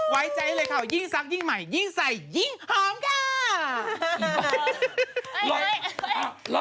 ไว้ใจครับยิ่งซักยิ่งใหม่ยิ่งใส่ยิ่งหอมค่ะ